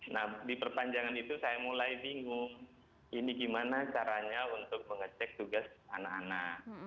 nah di perpanjangan itu saya mulai bingung ini gimana caranya untuk mengecek tugas anak anak